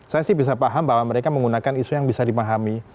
saya sih bisa paham bahwa mereka menggunakan isu yang bisa dipahami